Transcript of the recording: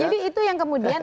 jadi itu yang kemudian